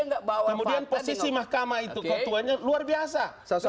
kemudian posisi mahkamah itu ketuanya luar biasa